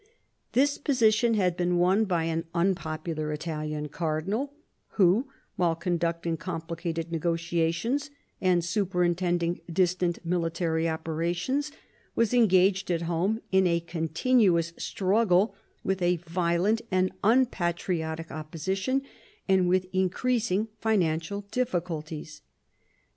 This position had been won by an unpopular Italian cardinal, who, while conducting complicated negotiations, and superintending distant military opera tions, was engaged at home in a continuous struggle with a violent and unpatriotic opposition, and with increasing financial difficulties.